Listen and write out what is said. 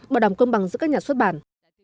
bảo đảm cơm bằng giữa các nhà xuất bản